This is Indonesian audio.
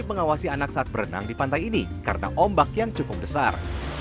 kami berdua berdua bersama sama saat berenang di pantai ini karena ombak yang cukup besar